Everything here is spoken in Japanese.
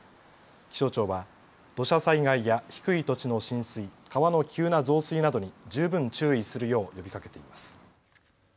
気象庁は土砂災害や低い土地の浸水、川の急な増水などに十分注意するよう呼びかけています。